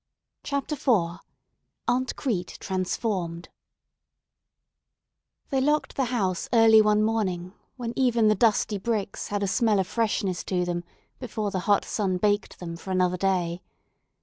CHAPTER IV AUNT CRETE TRANSFORMED THEY locked the house early one morning when even the dusty bricks had a smell of freshness to them before the hot sun baked them for another day.